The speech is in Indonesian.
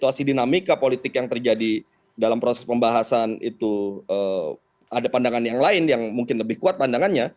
situasi dinamika politik yang terjadi dalam proses pembahasan itu ada pandangan yang lain yang mungkin lebih kuat pandangannya